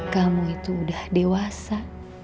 kamu itu udah dewasa